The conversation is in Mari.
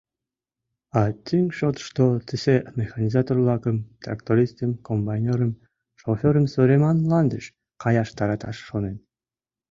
А тӱҥ шотышто тысе механизатор-влакым — трактористым, комбайнерым, шофёрым сӧреман мландыш каяш тараташ шонен.